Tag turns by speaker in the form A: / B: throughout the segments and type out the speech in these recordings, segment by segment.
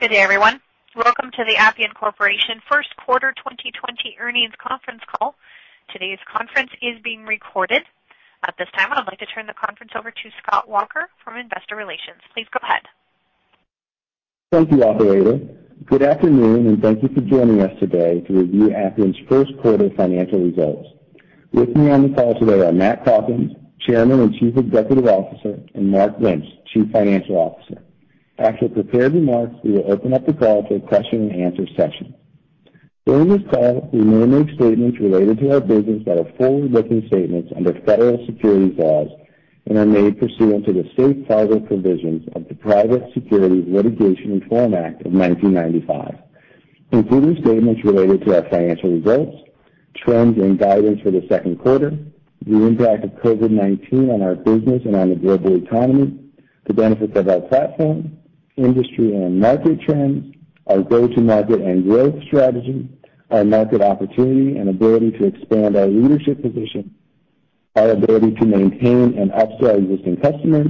A: Good day, everyone. Welcome to the Appian Corporation First Quarter 2020 Earnings Conference Call. Today's conference is being recorded. At this time, I would like to turn the conference over to Scott Walker from Investor Relations. Please go ahead.
B: Thank you, operator. Good afternoon, thank you for joining us today to review Appian's first quarter financial results. With me on the call today are Matt Calkins, Chairman and Chief Executive Officer, and Mark Lynch, Chief Financial Officer. After prepared remarks, we will open up the call to a question and answer session. During this call, we may make statements related to our business that are forward-looking statements under federal securities laws and are made pursuant to the safe harbor provisions of the Private Securities Litigation Reform Act of 1995. Including statements related to our financial results, trends, and guidance for the second quarter, the impact of COVID-19 on our business and on the global economy, the benefits of our platform, industry and market trends, our go-to-market and growth strategy, our market opportunity and ability to expand our leadership position, our ability to maintain and upsell existing customers,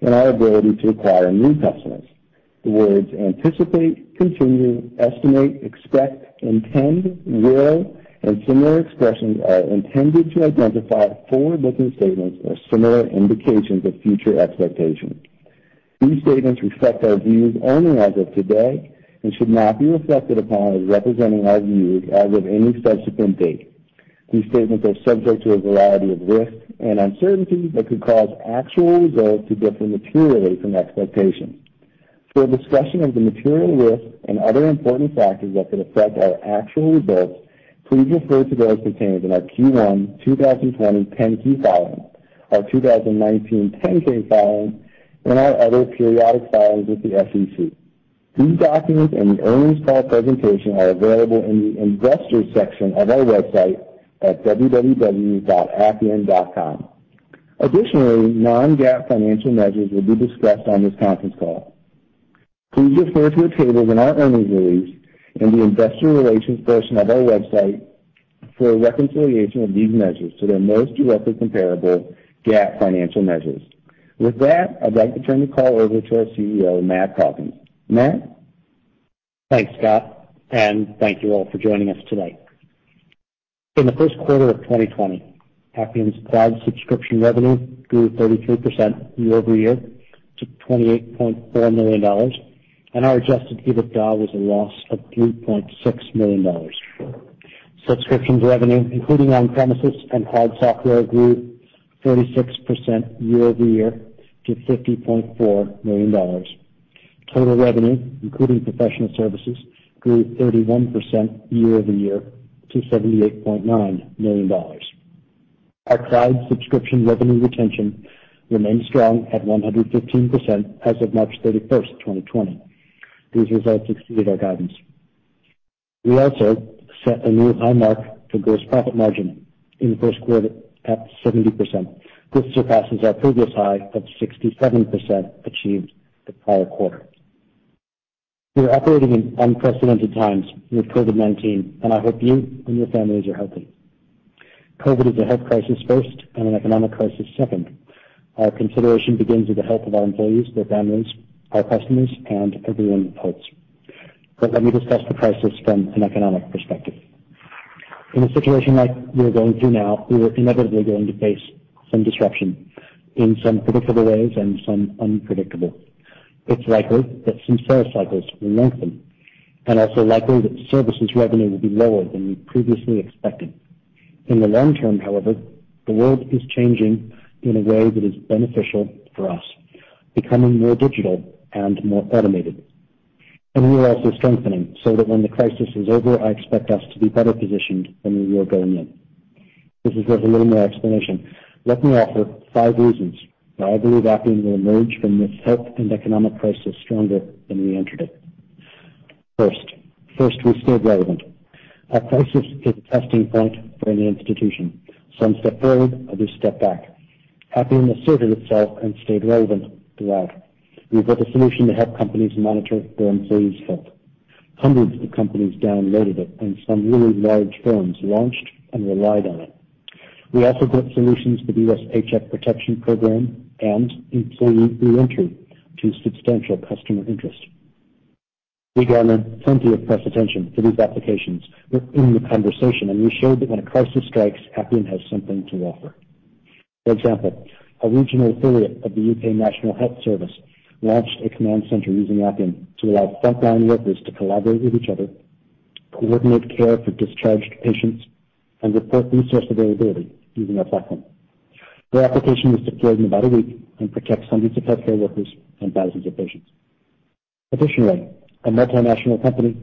B: and our ability to acquire new customers. The words anticipate, continue, estimate, expect, intend, will, and similar expressions are intended to identify forward-looking statements or similar indications of future expectations. These statements reflect our views only as of today and should not be reflected upon as representing our views as of any subsequent date. These statements are subject to a variety of risks and uncertainties that could cause actual results to differ materially from expectations. For a discussion of the material risks and other important factors that could affect our actual results, please refer to those contained in our Q1 2020 10-Q filing, our 2019 10-K filing, and our other periodic filings with the SEC. These documents and the earnings call presentation are available in the Investors section of our website at www.appian.com. Additionally, non-GAAP financial measures will be discussed on this conference call. Please refer to the tables in our earnings release in the Investor Relations portion of our website for a reconciliation of these measures to their most directly comparable GAAP financial measures. With that, I'd like to turn the call over to our CEO, Matt Calkins. Matt?
C: Thanks, Scott. Thank you all for joining us today. In the first quarter of 2020, Appian's cloud subscription revenue grew 33% year-over-year to $28.4 million, and our adjusted EBITDA was a loss of $3.6 million. Subscriptions revenue, including on-premises and cloud software, grew 36% year-over-year to $50.4 million. Total revenue, including professional services, grew 31% year-over-year to $78.9 million. Our cloud subscription revenue retention remains strong at 115% as of March 31st, 2020. These results exceeded our guidance. We also set a new high mark for gross profit margin in the first quarter at 70%. This surpasses our previous high of 67% achieved the prior quarter. We are operating in unprecedented times with COVID-19, and I hope you and your families are healthy. COVID is a health crisis first and an economic crisis second. Our consideration begins with the health of our employees, their families, our customers, and everyone it hurts. Let me discuss the crisis from an economic perspective. In a situation like we are going through now, we were inevitably going to face some disruption in some predictable ways and some unpredictable. It's likely that some sales cycles will lengthen and also likely that services revenue will be lower than we previously expected. In the long term, however, the world is changing in a way that is beneficial for us, becoming more digital and more automated. We are also strengthening so that when the crisis is over, I expect us to be better positioned than we were going in. This deserves a little more explanation. Let me offer five reasons why I believe Appian will emerge from this health and economic crisis stronger than we entered it. First, we stayed relevant. A crisis is a testing point for any institution. Some step forward, others step back. Appian asserted itself and stayed relevant throughout. We built a solution to help companies monitor their employees' health. Hundreds of companies downloaded it, and some really large firms launched and relied on it. We also built solutions for the U.S. Paycheck Protection Program and employee reentry to substantial customer interest. We garnered plenty of press attention for these applications. We're in the conversation, and we showed that when a crisis strikes, Appian has something to offer. For example, a regional affiliate of the U.K. National Health Service launched a command center using Appian to allow frontline workers to collaborate with each other, coordinate care for discharged patients, and report resource availability using our platform. Their application was deployed in about a week and protects hundreds of healthcare workers and thousands of patients. A multinational company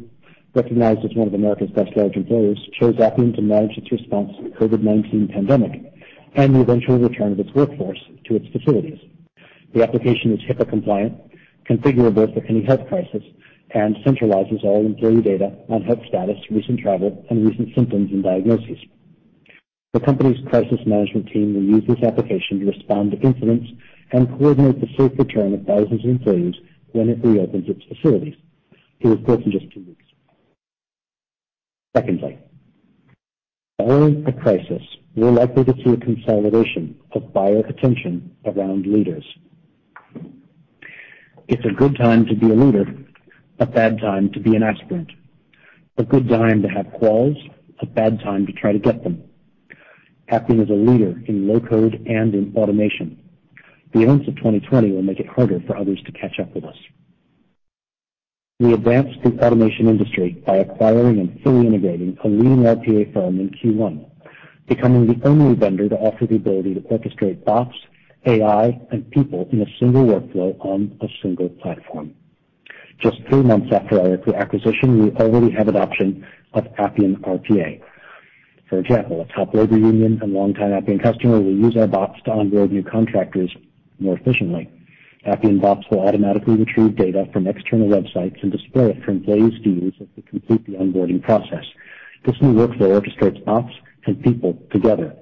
C: recognized as one of America's best large employers chose Appian to manage its response to the COVID-19 pandemic and the eventual return of its workforce to its facilities. The application is HIPAA compliant, configurable for any health crisis, and centralizes all employee data on health status, recent travel, and recent symptoms and diagnoses. The company's crisis management team will use this application to respond to incidents and coordinate the safe return of thousands of employees when it reopens its facilities. It was built in just two weeks. During a crisis, you're likely to see a consolidation of buyer attention around leaders. It's a good time to be a leader, a bad time to be an aspirant. A good time to have quals, a bad time to try to get them. Appian is a leader in low-code and in automation. The events of 2020 will make it harder for others to catch up with us. We advanced the automation industry by acquiring and fully integrating a leading RPA firm in Q1, becoming the only vendor to offer the ability to orchestrate bots, AI, and people in a single workflow on a single platform. Just three months after our acquisition, we already have adoption of Appian RPA. For example, a top labor union and longtime Appian customer will use our bots to onboard new contractors more efficiently. Appian bots will automatically retrieve data from external websites and display it for employees to use as they complete the onboarding process. This new workflow orchestrates bots and people together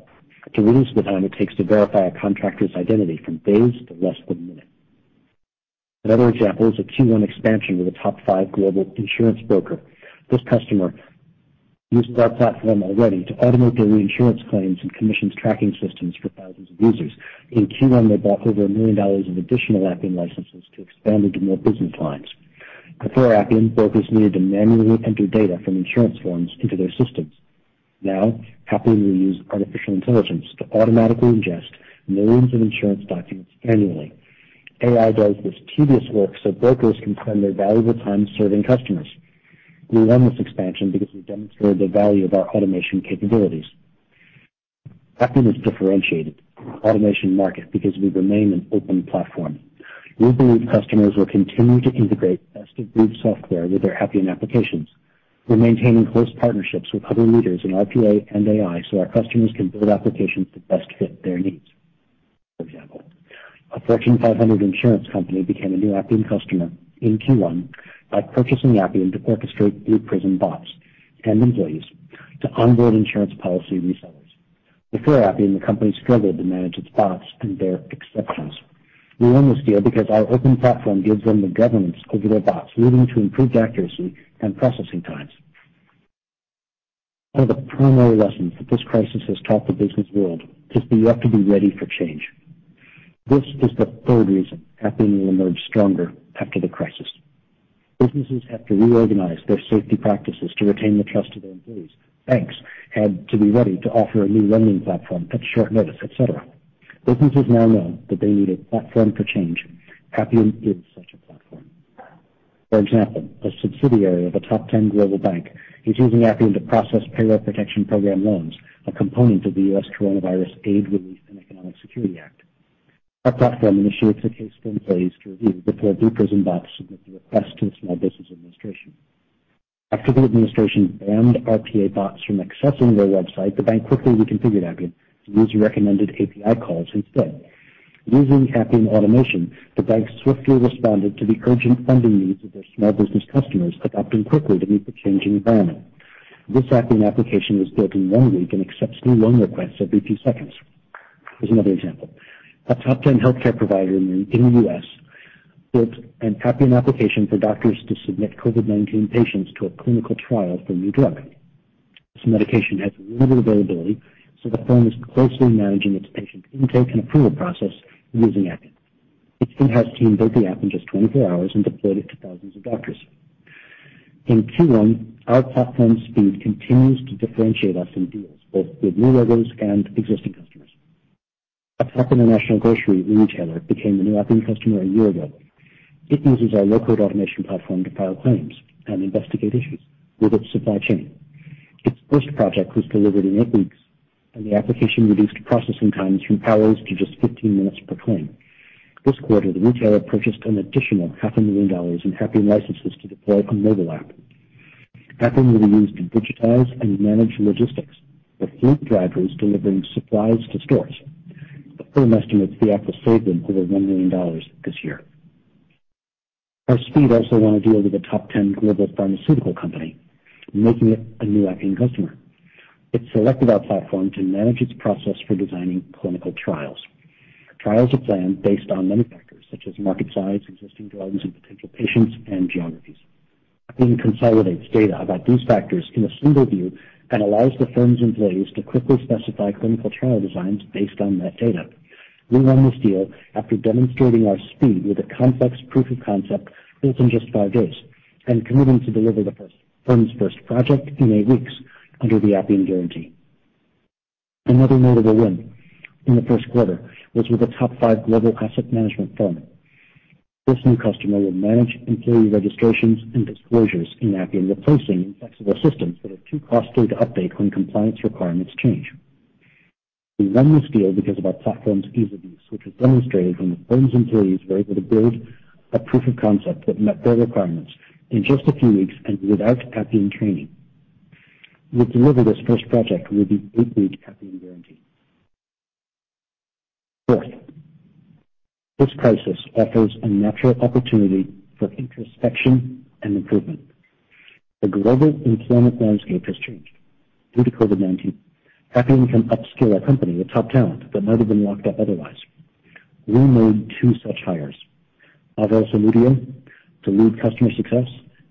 C: to reduce the time it takes to verify a contractor's identity from days to less than a minute. Another example is a Q1 expansion with a top five global insurance broker. This customer uses our platform already to automate their insurance claims and commissions tracking systems for thousands of users. In Q1, they bought over $1 million of additional Appian licenses to expand into more business lines. Before Appian, brokers needed to manually enter data from insurance forms into their systems. Now, Appian will use artificial intelligence to automatically ingest millions of insurance documents annually. AI does this tedious work so brokers can spend their valuable time serving customers. We won this expansion because we demonstrated the value of our automation capabilities. Appian is differentiated automation market because we remain an open platform. We believe customers will continue to integrate best-of-breed software with their Appian applications. We're maintaining close partnerships with other leaders in RPA and AI so our customers can build applications that best fit their needs. For example, a Fortune 500 insurance company became a new Appian customer in Q1 by purchasing Appian to orchestrate Blue Prism bots and employees to onboard insurance policy resellers. Before Appian, the company struggled to manage its bots and their exceptions. We won this deal because our open platform gives them the governance over their bots, leading to improved accuracy and processing times. One of the primary lessons that this crisis has taught the business world is that you have to be ready for change. This is the third reason Appian will emerge stronger after the crisis. Businesses have to reorganize their safety practices to retain the trust of their employees. Banks had to be ready to offer a new lending platform at short notice, et cetera. Businesses now know that they need a platform for change. Appian is such a platform. For example, a subsidiary of a top 10 global bank is using Appian to process Paycheck Protection Program loans, a component of the U.S. Coronavirus Aid, Relief, and Economic Security Act. Our platform initiates a case for employees to review before Blue Prism bots submit the request to the Small Business Administration. After the administration banned RPA bots from accessing their website, the bank quickly reconfigured Appian to use recommended API calls instead. Using Appian automation, the bank swiftly responded to the urgent funding needs of their small business customers, adapting quickly to meet the changing environment. This Appian application was built in one week and accepts new loan requests every two seconds. Here's another example. A top 10 healthcare provider in the U.S. built an Appian application for doctors to submit COVID-19 patients to a clinical trial for a new drug. This medication has limited availability, so the firm is closely managing its patient intake and approval process using Appian. Its speed house team built the app in just 24 hours and deployed it to thousands of doctors. In Q1, our platform speed continues to differentiate us in deals both with new logos and existing customers. A top international grocery retailer became a new Appian customer a year ago. It uses our low-code automation platform to file claims and investigate issues with its supply chain. Its first project was delivered in 8 weeks, and the application reduced processing times from hours to just 15 minutes per claim. This quarter, the retailer purchased an additional half a million dollars in Appian licenses to deploy a mobile app. Appian will be used to digitize and manage logistics for fleet drivers delivering supplies to stores. The firm estimates the app will save them over $1 million this year. Our speed also won a deal with a top 10 global pharmaceutical company, making it a new Appian customer. It selected our platform to manage its process for designing clinical trials. Trials are planned based on many factors such as market size, existing drugs, and potential patients and geographies. Appian consolidates data about these factors in a single view and allows the firm's employees to quickly specify clinical trial designs based on that data. We won this deal after demonstrating our speed with a complex proof of concept built in just five days and committing to deliver the firm's first project in eight weeks under the Appian Guarantee. Another notable win in the first quarter was with a top five global asset management firm. This new customer will manage employee registrations and disclosures in Appian, replacing inflexible systems that are too costly to update when compliance requirements change. We won this deal because of our platform's ease of use, which was demonstrated when the firm's employees were able to build a proof of concept that met their requirements in just a few weeks and without Appian training. We'll deliver this first project with the eight-week Appian Guarantee. Fourth, this crisis offers a natural opportunity for introspection and improvement. The global employment landscape has changed due to COVID-19. Appian can upskill a company with top talent that might have been locked up otherwise. We made two such hires. Pavel Zamudio to lead customer success,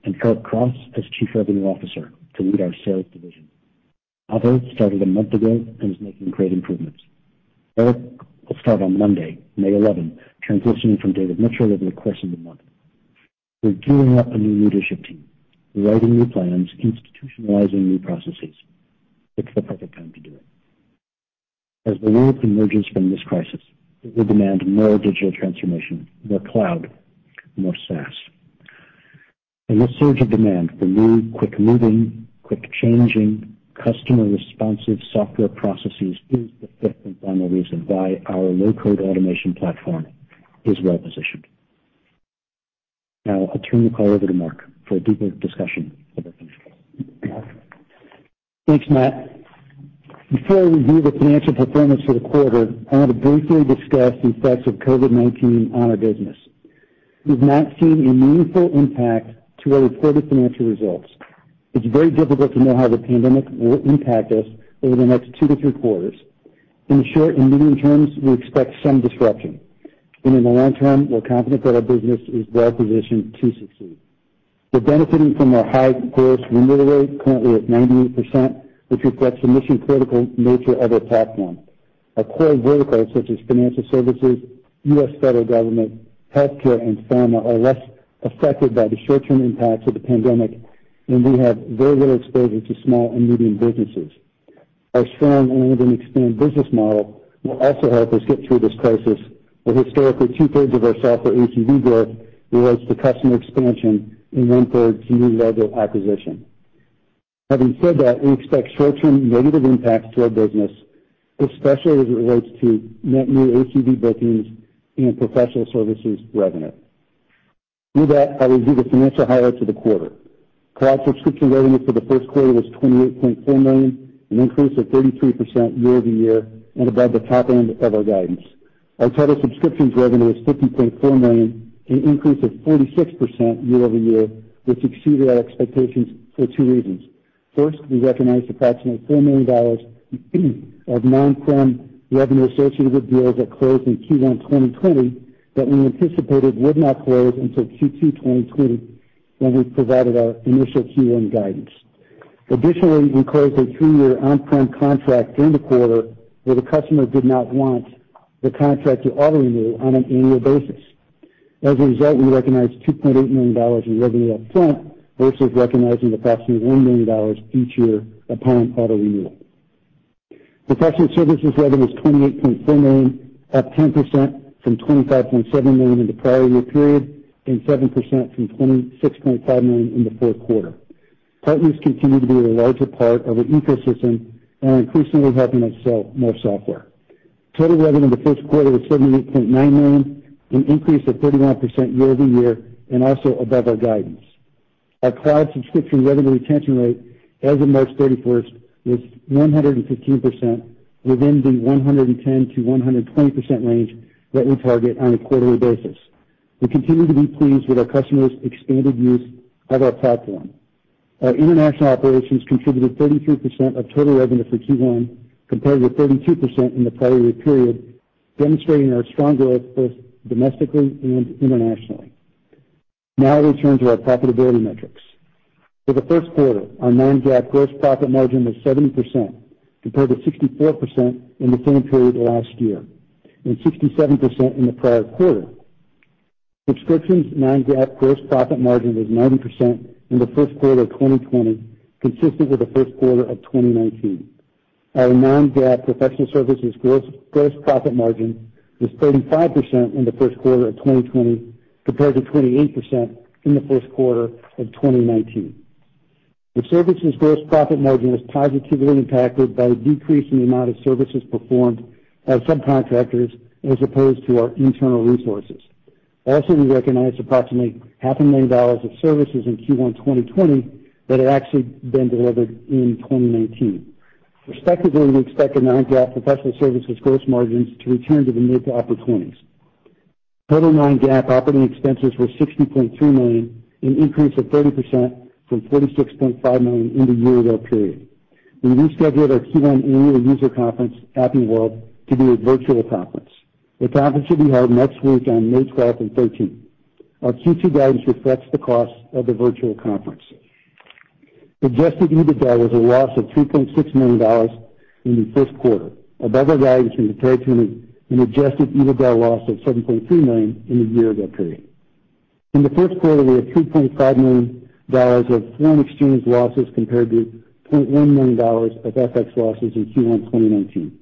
C: and Eric Cross as Chief Revenue Officer to lead our sales division. Pavel started a month ago and is making great improvements. Eric will start on Monday, May 11, transitioning from David Mitchell over the course of the month. We're gearing up a new leadership team, writing new plans, institutionalizing new processes. It's the perfect time to do it. As the world emerges from this crisis, it will demand more digital transformation, more cloud, more SaaS. This surge of demand for new, quick-moving, quick-changing, customer-responsive software processes is the fifth and final reason why our low-code automation platform is well-positioned. Now, I'll turn the call over to Mark for a deeper discussion of our financial.
D: Thanks, Matt. Before we view the financial performance for the quarter, I want to briefly discuss the effects of COVID-19 on our business. We've not seen a meaningful impact to our reported financial results. It's very difficult to know how the pandemic will impact us over the next two to three quarters. In the short and medium terms, we expect some disruption. In the long term, we're confident that our business is well-positioned to succeed. We're benefiting from our high gross renew rate, currently at 98%, which reflects the mission-critical nature of our platform. Our core verticals, such as financial services, U.S. federal government, healthcare, and pharma, are less affected by the short-term impacts of the pandemic, and we have very little exposure to small and medium businesses. Our strong and expand business model will also help us get through this crisis, where historically two-thirds of our software ACV growth relates to customer expansion and one-third to new logo acquisition. Having said that, we expect short-term negative impacts to our business, especially as it relates to net new ACV bookings and professional services revenue. With that, I review the financial highlights of the quarter. Cloud subscription revenue for the first quarter was $28.4 million, an increase of 33% year-over-year and above the top end of our guidance. Our total subscriptions revenue was $50.4 million, an increase of 46% year-over-year, which exceeded our expectations for two reasons. First, we recognized approximately $4 million of on-prem revenue associated with deals that closed in Q1 2020 that we anticipated would not close until Q2 2020 when we provided our initial Q1 guidance. Additionally, we closed a two-year on-prem contract during the quarter where the customer did not want the contract to auto-renew on an annual basis. As a result, we recognized $2.8 million in revenue up front versus recognizing approximately $1 million each year upon auto-renewal. Professional services revenue is $28.4 million, up 10% from $25.7 million in the prior year-over-year period and 7% from $26.5 million in the fourth quarter. Partners continue to be a larger part of our ecosystem and are increasingly helping us sell more software. Total revenue in the first quarter was $78.9 million, an increase of 31% year-over-year and also above our guidance. Our cloud subscription revenue retention rate as of March 31st was 115%, within the 110%-120% range that we target on a quarterly basis. We continue to be pleased with our customers' expanded use of our platform. Our international operations contributed 33% of total revenue for Q1, compared with 32% in the prior year period, demonstrating our strong growth both domestically and internationally. I will turn to our profitability metrics. For the first quarter, our non-GAAP gross profit margin was 70%, compared to 64% in the same period last year and 67% in the prior quarter. Subscriptions non-GAAP gross profit margin was 90% in the first quarter of 2020, consistent with the first quarter of 2019. Our non-GAAP professional services gross profit margin was 35% in the first quarter of 2020, compared to 28% in the first quarter of 2019. The services gross profit margin was positively impacted by a decrease in the amount of services performed by subcontractors as opposed to our internal resources. We recognized approximately half a million dollars of services in Q1 2020 that had actually been delivered in 2019. Respectively, we expect the non-GAAP professional services gross margins to return to the mid to upper 20s. Total non-GAAP operating expenses were $60.3 million, an increase of 30% from $46.5 million in the year-ago period. We rescheduled our Q1 annual user conference, Appian World, to be a virtual conference. The conference will be held next week on May 12th and 13th. Our Q2 guidance reflects the cost of the virtual conference. Adjusted EBITDA was a loss of $2.6 million in the first quarter, above our guidance and compared to an adjusted EBITDA loss of $7.3 million in the year-ago period. In the first quarter, we had $3.5 million of foreign exchange losses compared to $0.1 million of FX losses in Q1 2019.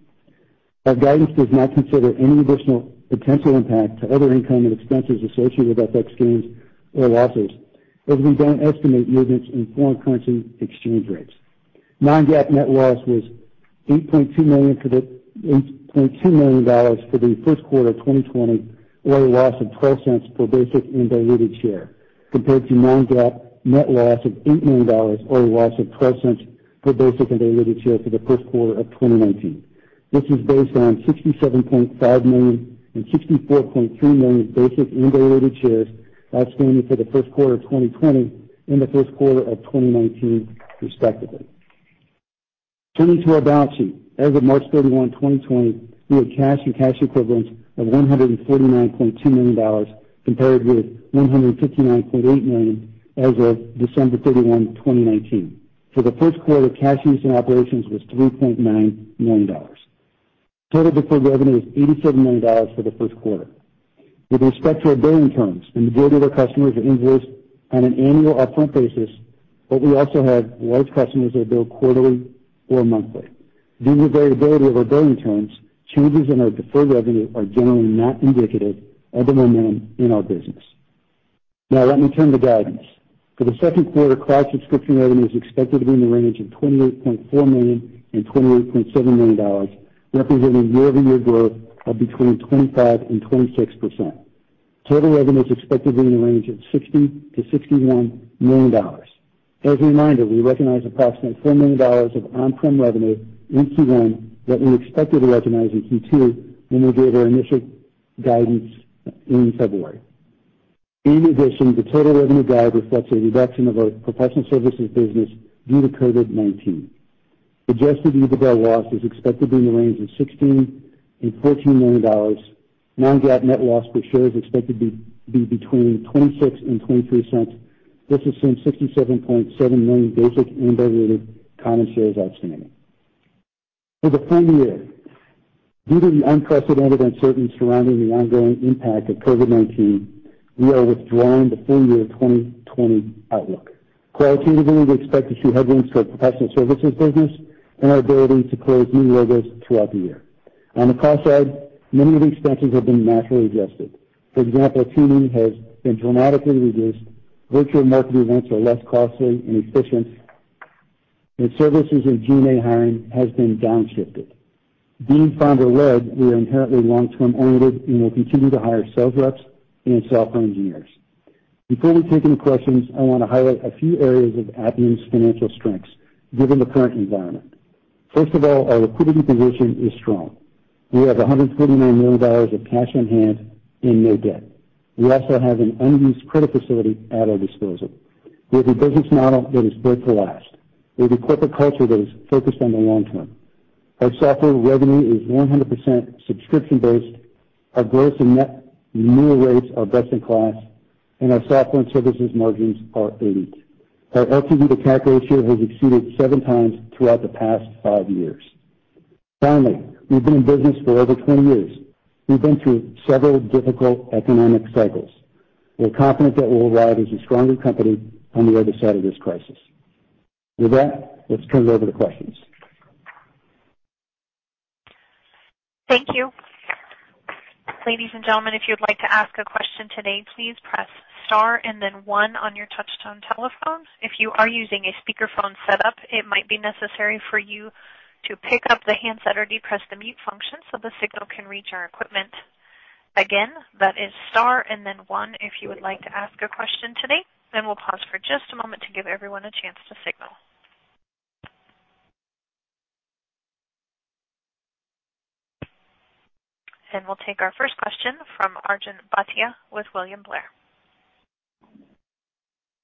D: Our guidance does not consider any additional potential impact to other income and expenses associated with FX gains or losses, as we don't estimate movements in foreign currency exchange rates. Non-GAAP net loss was $8.2 million for the first quarter of 2020, or a loss of $0.12 per basic and diluted share, compared to non-GAAP net loss of $8 million, or a loss of $0.12 per basic and diluted share for the first quarter of 2019. This is based on 67.5 million and 64.3 million basic and diluted shares outstanding for the first quarter 2020 and the first quarter of 2019, respectively. Turning to our balance sheet. As of March 31, 2020, we had cash and cash equivalents of $149.2 million compared with $159.8 million as of December 31, 2019. For the first quarter, cash used in operations was $3.9 million. Total deferred revenue was $87 million for the first quarter. With respect to our billing terms, the majority of our customers are invoiced on an annual upfront basis, but we also have large customers that bill quarterly or monthly. Due to the variability of our billing terms, changes in our deferred revenue are generally not indicative of the momentum in our business. Now let me turn to guidance. For the second quarter, cloud subscription revenue is expected to be in the range of $28.4 million-$28.7 million, representing year-over-year growth of between 25% and 26%. Total revenue is expected to be in the range of $60 million-$61 million. As a reminder, we recognized approximately $4 million of on-prem revenue in Q1 that we expected to recognize in Q2 when we gave our initial guidance in February. In addition, the total revenue guide reflects a reduction of our professional services business due to COVID-19. Adjusted EBITDA loss is expected to be in the range of $16 million and $14 million. Non-GAAP net loss per share is expected to be between $0.26 and $0.23. This assumes 67.7 million basic and diluted common shares outstanding. For the full year, due to the unprecedented uncertainty surrounding the ongoing impact of COVID-19, we are withdrawing the full year 2020 outlook. Qualitatively, we expect to see headwinds to our professional services business and our ability to close new logos throughout the year. On the cost side, many of the expenses have been naturally adjusted. For example, teaming has been dramatically reduced, virtual marketing events are less costly and efficient, and services and G&A hiring has been downshifted. Being founder-led, we are inherently long-term oriented and will continue to hire sales reps and software engineers. Before we take any questions, I want to highlight a few areas of Appian's financial strengths given the current environment. Our liquidity position is strong. We have $149 million of cash on hand and no debt. We also have an unused credit facility at our disposal. We have a business model that is built to last. We have a corporate culture that is focused on the long term. Our software revenue is 100% subscription-based, our gross and net renewal rates are best in class, and our software and services margins are 80%. Our LTV to CAC ratio has exceeded seven times throughout the past five years. We've been in business for over 20 years. We've been through several difficult economic cycles. We're confident that we'll arrive as a stronger company on the other side of this crisis. With that, let's turn it over to questions.
A: Thank you. Ladies and gentlemen, if you'd like to ask a question today, please press star and then one on your touchtone telephones. If you are using a speakerphone setup, it might be necessary for you to pick up the handset or depress the mute function so the signal can reach our equipment. Again, that is star and then one if you would like to ask a question today. We'll pause for just a moment to give everyone a chance to signal. We'll take our first question from Arjun Bhatia with William Blair.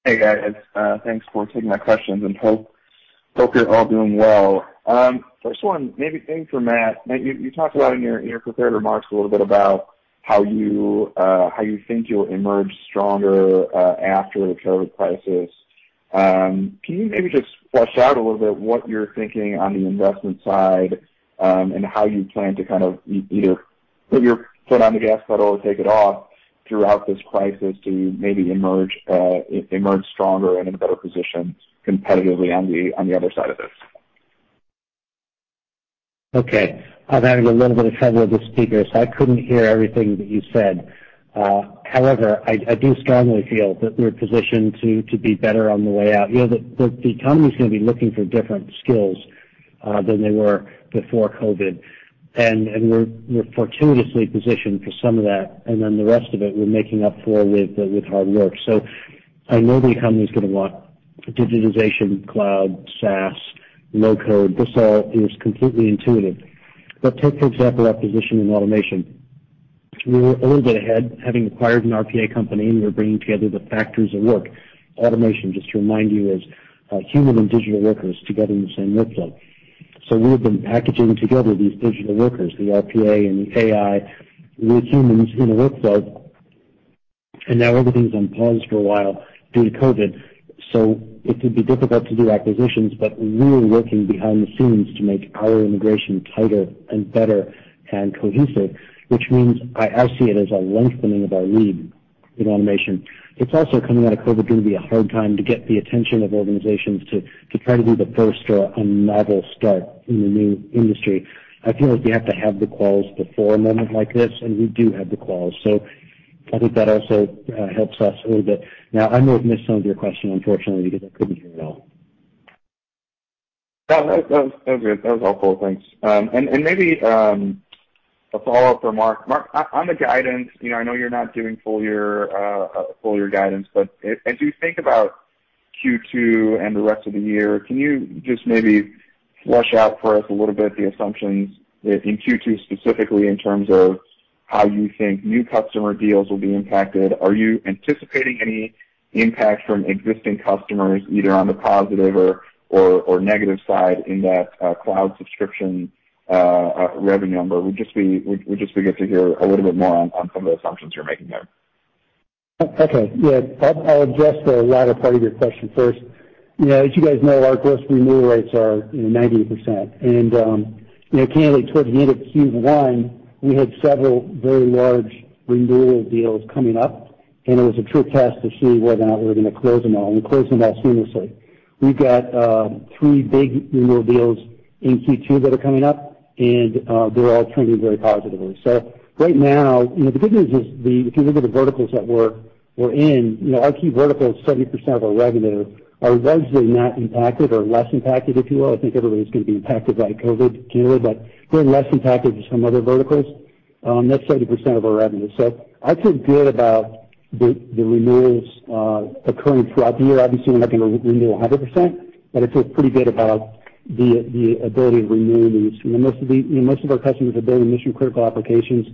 E: Hey, guys. Thanks for taking my questions, and hope you're all doing well. First one, maybe aimed for Matt. Matt, you talked about in your prepared remarks a little bit about how you think you'll emerge stronger after the COVID crisis. Can you maybe just flesh out a little bit what you're thinking on the investment side and how you plan to either put your foot on the gas pedal or take it off throughout this crisis to maybe emerge stronger and in a better position competitively on the other side of this?
C: I'm having a little bit of trouble with the speaker, so I couldn't hear everything that you said. I do strongly feel that we're positioned to be better on the way out. The economy's going to be looking for different skills than they were before COVID-19, and we're fortuitously positioned for some of that, and then the rest of it we're making up for with hard work. I know the economy's going to want digitization, cloud, SaaS, low-code. This all is completely intuitive. Take, for example, our position in automation. We were a little bit ahead, having acquired an RPA company, and we were bringing together the factors of work. Automation, just to remind you, is human and digital workers together in the same workflow. We have been packaging together these digital workers, the RPA and the AI, with humans in a workflow. Now everything's on pause for a while due to COVID. It could be difficult to do acquisitions, but we're really working behind the scenes to make our integration tighter and better and cohesive, which means I see it as a lengthening of our lead in automation. It's also, coming out of COVID, going to be a hard time to get the attention of organizations to try to be the first or a novel start in the new industry. I feel like you have to have the quals before a moment like this, and we do have the quals. I think that also helps us a little bit. Now, I may have missed some of your question, unfortunately, because I couldn't hear it all.
E: No, that was good. That was helpful. Thanks. Maybe a follow-up for Mark. Mark, on the guidance, I know you're not doing full year guidance, as you think about Q2 and the rest of the year, can you just maybe flesh out for us a little bit the assumptions in Q2 specifically in terms of how you think new customer deals will be impacted? Are you anticipating any impact from existing customers, either on the positive or negative side in that cloud subscription revenue number? We'd just be good to hear a little bit more on some of the assumptions you're making there.
D: Okay. Yeah. I'll address the latter part of your question first. Candidly, towards the end of Q1, we had several very large renewal deals coming up, and it was a true test to see whether or not we were going to close them all. We closed them all seamlessly. We've got three big renewal deals in Q2 that are coming up, and they're all trending very positively. Right now, the good news is if you look at the verticals that we're in, our key verticals, 70% of our revenue, are relatively not impacted or less impacted, if you will. I think everybody's going to be impacted by COVID, clearly, but we're less impacted as some other verticals. That's 70% of our revenue. I feel good about the renewals occurring throughout the year. Obviously, we're not going to renew 100%, but I feel pretty good about the ability to renew these. Most of our customers are building mission-critical applications,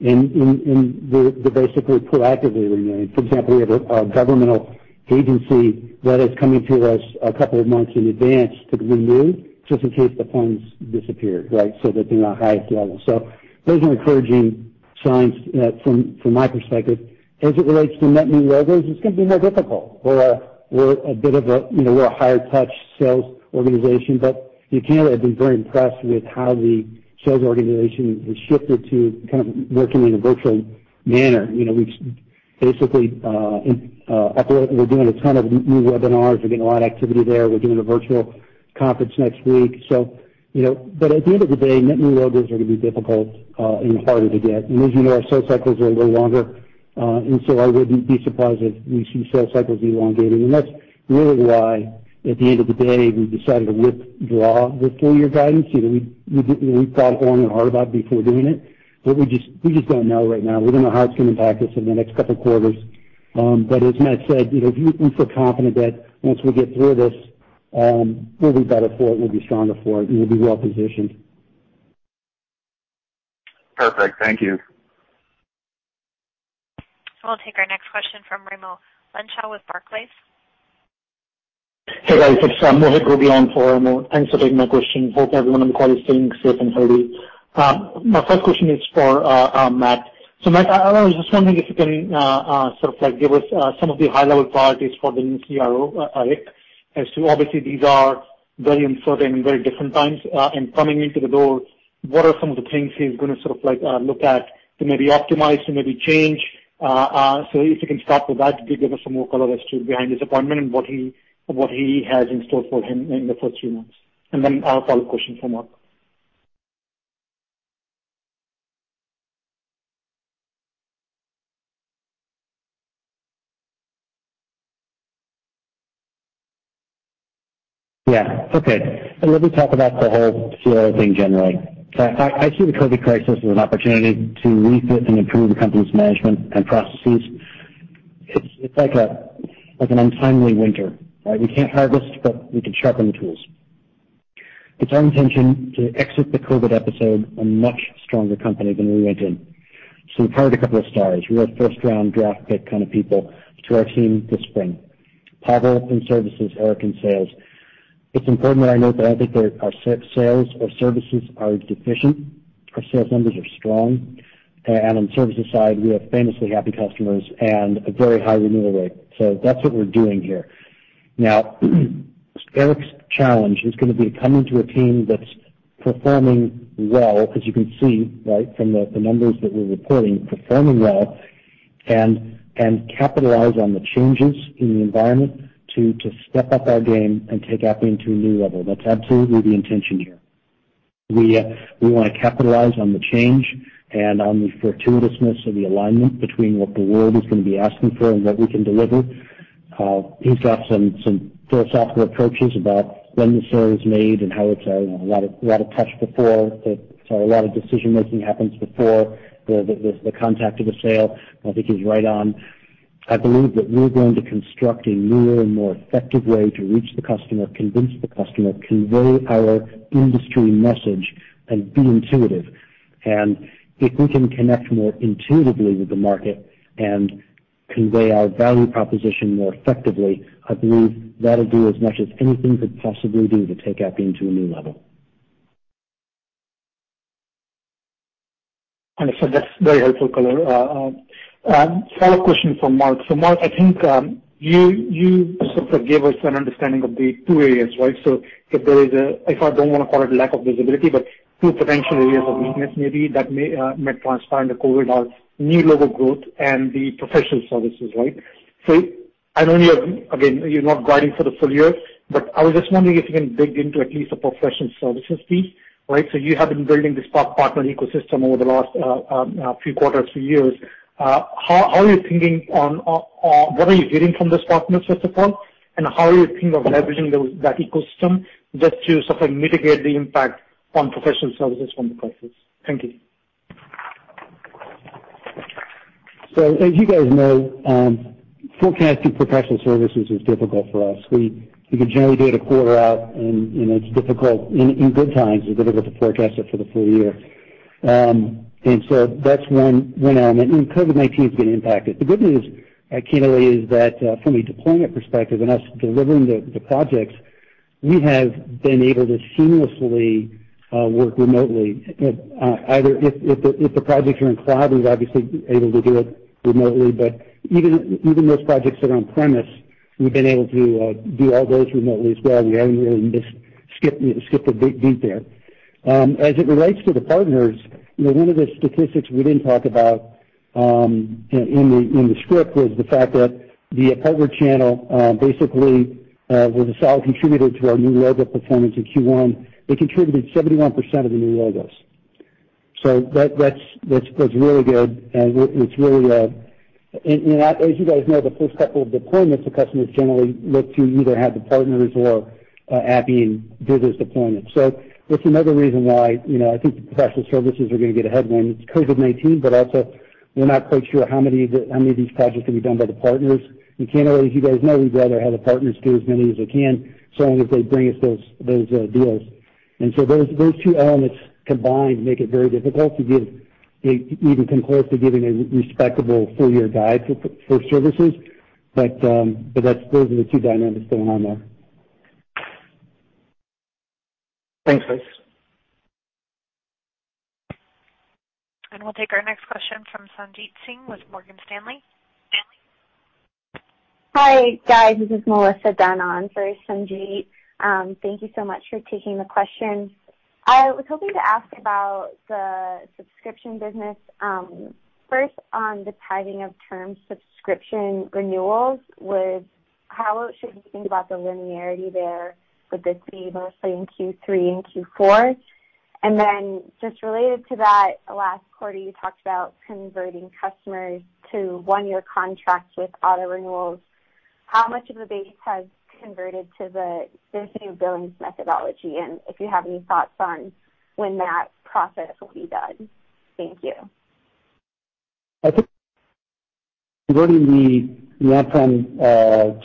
D: and they're basically proactively renewing. For example, we have a governmental agency that is coming to us a couple of months in advance to renew, just in case the funds disappear, so that they're not high up the aisle. Those are encouraging signs from my perspective. As it relates to net new logos, it's going to be more difficult. We're a higher touch sales organization, but you, candidly, have been very impressed with how the sales organization has shifted to kind of working in a virtual manner. We're doing a ton of new webinars. We're getting a lot of activity there. We're doing a virtual conference next week. At the end of the day, net new logos are going to be difficult and harder to get. As you know, our sales cycles are a little longer. I wouldn't be surprised if we see sales cycles elongating. That's really why, at the end of the day, we decided to withdraw the full year guidance. We thought long and hard about it before doing it, but we just don't know right now. We don't know how it's going to impact us in the next couple of quarters. As Matt said, we feel confident that once we get through this, we'll be better for it, we'll be stronger for it, and we'll be well-positioned.
E: Perfect. Thank you.
A: We'll take our next question from Raimo Lenschaw with Barclays.
F: Hey, guys. It's Mohit Gogia for Raimo Lenschaw. Thanks for taking my question. Hope everyone on the call is staying safe and healthy. My first question is for Matt. Matt, I was just wondering if you can sort of give us some of the high-level priorities for the new CRO, Eric. As to obviously these are very uncertain and very different times. Coming into the door, what are some of the things he's going to sort of look at to maybe optimize, to maybe change? If you can start with that, give us some more color as to behind his appointment and what he has in store for him in the first few months. Then a follow-up question for Mark.
C: Yeah. Okay. Let me talk about the whole CRO thing generally. I see the COVID crisis as an opportunity to refit and improve the company's management and processes. It's like an untimely winter. We can't harvest, but we can sharpen the tools. It's our intention to exit the COVID episode a much stronger company than we went in. We've hired a couple of stars. We have first-round draft pick kind of people to our team this spring. Pavel in services, Eric in sales. It's important that I note that I don't think our sales or services are deficient. Our sales numbers are strong. On the services side, we have famously happy customers and a very high renewal rate. That's what we're doing here. Eric's challenge is going to be coming to a team that's performing well, as you can see from the numbers that we're reporting, performing well, and capitalize on the changes in the environment to step up our game and take Appian to a new level. That's absolutely the intention here. We want to capitalize on the change and on the fortuitousness of the alignment between what the world is going to be asking for and what we can deliver. He's got some philosophical approaches about when the sale is made and how it's a lot of touch before. A lot of decision-making happens before the contact of a sale. I think he's right on. I believe that we're going to construct a newer and more effective way to reach the customer, convince the customer, convey our industry message, and be intuitive. If we can connect more intuitively with the market and convey our value proposition more effectively, I believe that'll do as much as anything could possibly do to take Appian to a new level.
F: Understood. That's very helpful color. A follow-up question for Mark. Mark, I think you sort of gave us an understanding of the two areas. If I don't want to call it lack of visibility, but two potential areas of weakness maybe that might transpire in the COVID-19 are new logo growth and the professional services. I know you, again, you're not guiding for the full year, but I was just wondering if you can dig into at least the professional services piece. You have been building the Spark partner ecosystem over the last few quarters, few years. What are you hearing from those partners, first of all? How are you thinking of leveraging that ecosystem just to sort of mitigate the impact on professional services from the crisis? Thank you.
D: As you guys know, forecasting professional services is difficult for us. We can generally do it a quarter out, and it's difficult in good times to be able to forecast it for the full year. That's one element. COVID-19's going to impact it. The good news, Keneley, is that from a deployment perspective and us delivering the projects, we have been able to seamlessly work remotely. If the projects are in cloud, we're obviously able to do it remotely, but even those projects that are on-premise, we've been able to do all those remotely as well. We haven't really skipped a beat there. As it relates to the partners, one of the statistics we didn't talk about in the script was the fact that the partner channel basically was a solid contributor to our new logo performance in Q1. They contributed 71% of the new logos. That's really good, and as you guys know, the first couple of deployments, the customers generally look to either have the partners or Appian do those deployments. That's another reason why I think the professional services are going to get a headwind. It's COVID-19, but also we're not quite sure how many of these projects can be done by the partners. Keneley, as you guys know, we'd rather have the partners do as many as they can, so long as they bring us those deals. Those two elements combined make it very difficult to even contemplate giving a respectable full-year guide for services. Those are the two dynamics going on there.
F: Thanks, Chris.
A: We'll take our next question from Sanjit Singh with Morgan Stanley.
G: Hi, guys. This is Melissa Dunn on for Sanjit. Thank you so much for taking the question. I was hoping to ask about the subscription business. First, on the timing of term subscription renewals, how should we think about the linearity there? Would this be mostly in Q3 and Q4? Just related to that, last quarter, you talked about converting customers to one-year contracts with auto-renewals. How much of the base has converted to this new billings methodology, and if you have any thoughts on when that process will be done? Thank you.
D: I think converting the on-prem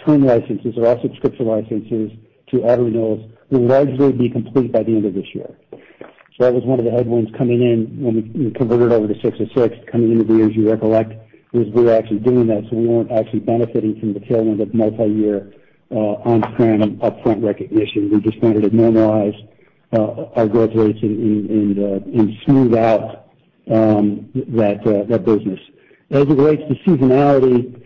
D: term licenses or our subscription licenses to auto-renewals will largely be complete by the end of this year. That was one of the headwinds coming in when we converted over to ASC 606 coming into the year, as you recollect, was we were actually doing that, so we weren't actually benefiting from the tail end of multi-year on-prem upfront recognition. We just wanted to normalize our growth rates and smooth out that business. As it relates to seasonality,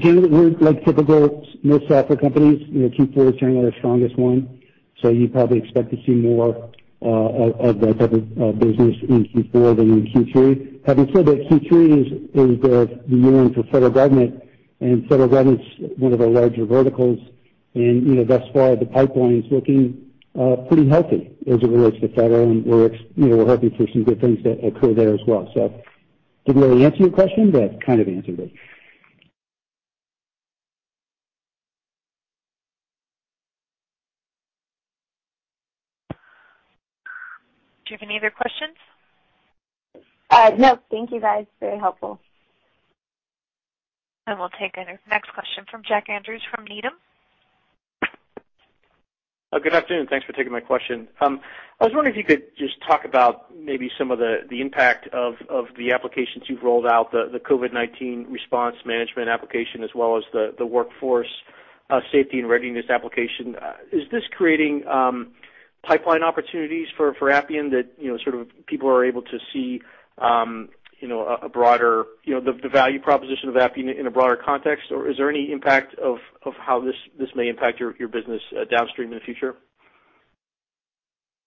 D: generally, we're like typical mid-software companies. Q4 is generally our strongest one, so you'd probably expect to see more of that type of business in Q4 than in Q3. Having said that, Q3 is the new one for Federal government, and Federal government's one of our larger verticals, and thus far, the pipeline's looking pretty healthy as it relates to federal, and we're hoping for some good things to occur there as well. Didn't really answer your question, but kind of answered it.
A: Do you have any other questions?
G: No. Thank you, guys. Very helpful.
A: We'll take our next question from Jack Andrews from Needham.
H: Good afternoon. Thanks for taking my question. I was wondering if you could just talk about maybe some of the impact of the applications you've rolled out, the COVID-19 response management application, as well as the Workforce Safety and Readiness application. Is this creating pipeline opportunities for Appian that people are able to see the value proposition of Appian in a broader context, or is there any impact of how this may impact your business downstream in the future?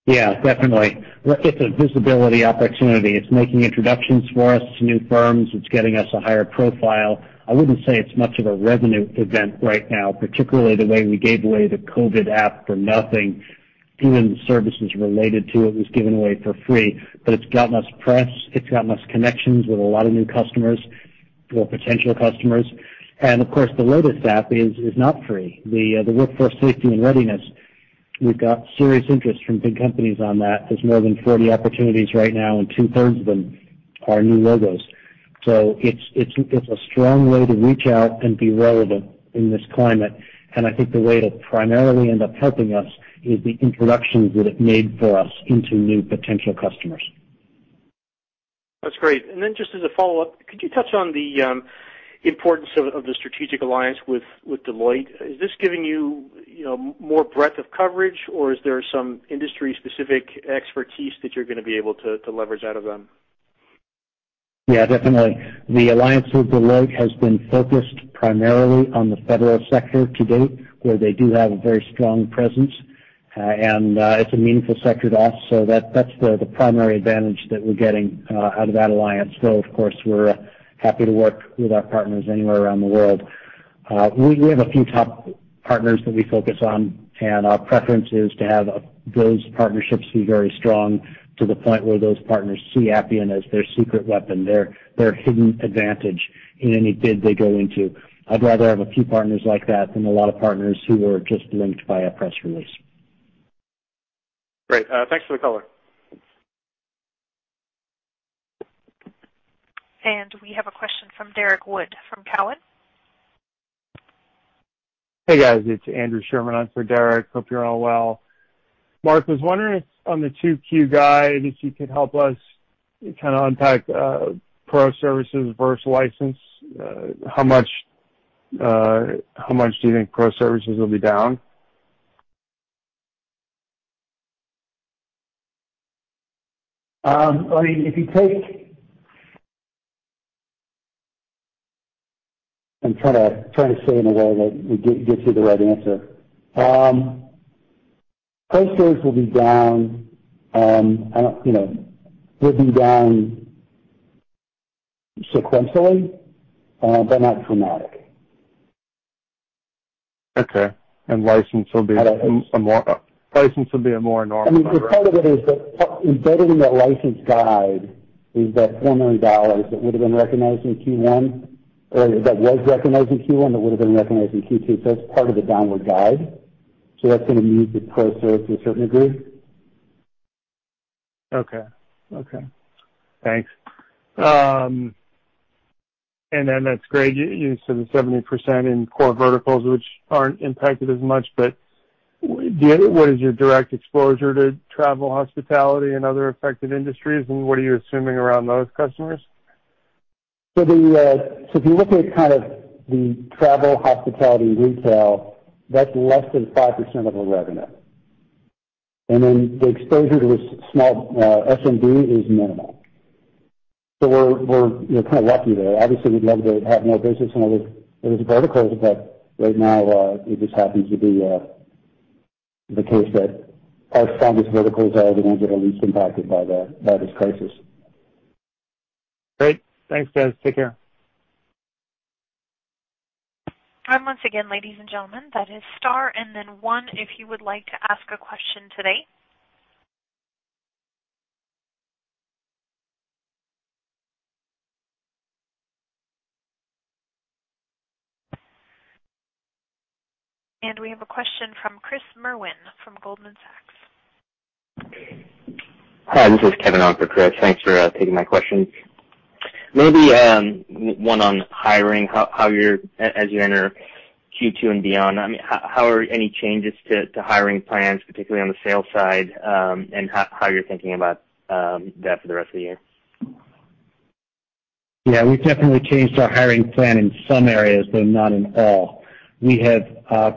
C: Yeah, definitely. It's a visibility opportunity. It's making introductions for us to new firms. It's getting us a higher profile. I wouldn't say it's much of a revenue event right now, particularly the way we gave away the COVID app for nothing. Even the services related to it was given away for free. It's got us press, it's got us connections with a lot of new customers or potential customers. Of course, the latest app is not free. The Workforce Safety and Readiness, we've got serious interest from big companies on that. There's more than 40 opportunities right now, and two-thirds of them are new logos. It's a strong way to reach out and be relevant in this climate, and I think the way it'll primarily end up helping us is the introductions that it made for us into new potential customers.
H: That's great. Just as a follow-up, could you touch on the importance of the strategic alliance with Deloitte? Is this giving you more breadth of coverage, or is there some industry-specific expertise that you're going to be able to leverage out of them?
C: Yeah, definitely. The alliance with Deloitte has been focused primarily on the federal sector to date, where they do have a very strong presence. It's a meaningful sector to us, so that's the primary advantage that we're getting out of that alliance, though of course, we're happy to work with our partners anywhere around the world. We have a few top partners that we focus on, and our preference is to have those partnerships be very strong to the point where those partners see Appian as their secret weapon, their hidden advantage in any bid they go into. I'd rather have a few partners like that than a lot of partners who were just linked by a press release.
H: Great. Thanks for the call.
A: We have a question from Derrick Wood from Cowen.
I: Hey, guys. It's Andrew Sherman on for Derrick. Hope you're all well. Mark, was wondering if on the 2Q guide, if you could help us kind of unpack pro services versus license. How much do you think pro services will be down?
D: I'm trying to say it in a way that would get you the right answer. Pro services will be down sequentially, but not dramatic.
I: Okay. License will be a more normal number.
D: Part of it is that embedded in that license guide is that $4 million that would have been recognized in Q1, or that was recognized in Q1 that would've been recognized in Q2. That's part of the downward guide. That's going to mute the pro services to a certain degree.
I: Okay. Thanks. As Mark, you said the 70% in core verticals, which aren't impacted as much, but what is your direct exposure to travel, hospitality, and other affected industries, and what are you assuming around those customers?
D: If you look at kind of the travel, hospitality, and retail, that's less than 5% of the revenue. The exposure to small SMB is minimal. We're kind of lucky there. Obviously, we'd love to have more business in other verticals, but right now, it just happens to be the case that our strongest verticals are the ones that are least impacted by this crisis.
I: Great. Thanks, guys. Take care.
A: Once again, ladies and gentlemen, that is star and then one if you would like to ask a question today. We have a question from Chris Merwin from Goldman Sachs.
J: Hi, this is Kevin on for Chris. Thanks for taking my questions. Maybe one on hiring, as you enter Q2 and beyond. How are any changes to hiring plans, particularly on the sales side, and how you're thinking about that for the rest of the year?
C: Yeah. We've definitely changed our hiring plan in some areas, but not in all. We have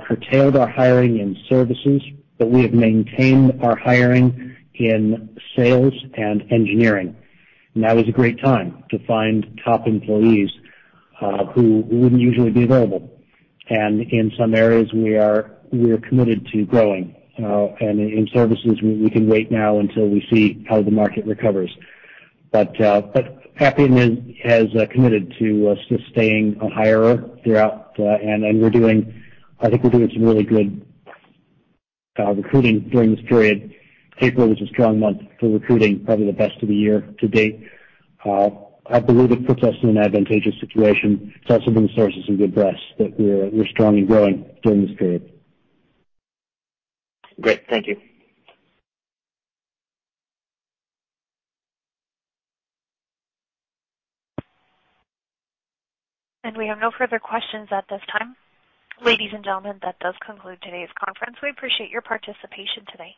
C: curtailed our hiring in services, but we have maintained our hiring in sales and engineering. Now is a great time to find top employees who wouldn't usually be available. In some areas, we are committed to growing. In services, we can wait now until we see how the market recovers. Appian has committed to sustaining hiring throughout, and I think we're doing some really good recruiting during this period. April was a strong month for recruiting, probably the best of the year to date. I believe it puts us in an advantageous situation. It's also been the source of some good press that we're strongly growing during this period.
J: Great. Thank you.
A: We have no further questions at this time. Ladies and gentlemen, that does conclude today's conference. We appreciate your participation today.